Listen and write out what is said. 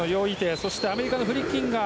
そして、アメリカのフリッキンガー。